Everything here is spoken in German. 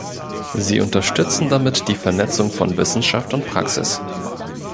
Sie unterstützen damit die Vernetzung von Wissenschaft und Praxis.